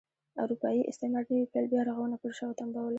اروپايي استعمار نوي پیل بیا رغونه پر شا وتمبوله.